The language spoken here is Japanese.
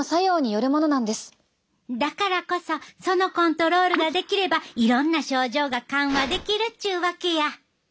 だからこそそのコントロールができればいろんな症状が緩和できるっちゅうわけや！